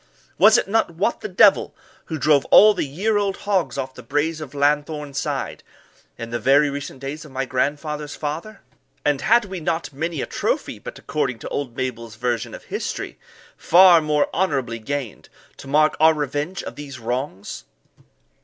Was it not Wat the Devil, who drove all the year old hogs off the braes of Lanthorn side, in the very recent days of my grandfather's father? And had we not many a trophy, but, according to old Mabel's version of history, far more honourably gained, to mark our revenge of these wrongs?